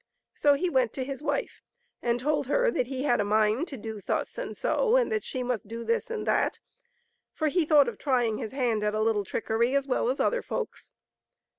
'* So he went to his wife and told her that he had a mind to do thus and so, and that she must do this and that ; for he thought of trying his hand at a little trickery as well as other folks.